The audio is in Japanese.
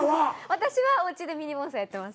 私はおうちでミニ盆栽やってます。